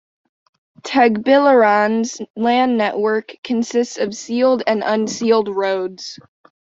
Tagbilaran's land network consists of sealed and unsealed roads.